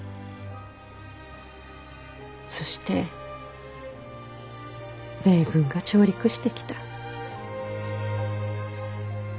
そして米軍が上陸してきた。